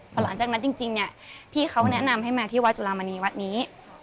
พอหลังจากนั้นจริงเนี่ยพี่เขาแนะนำให้มาที่วัดจุลามณีวัดนี้